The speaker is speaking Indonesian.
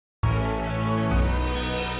ini bisa terjadi loh sama abi juga